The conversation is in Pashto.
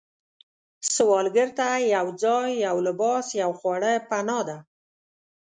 سوالګر ته یو ځای، یو لباس، یو خواړه پناه ده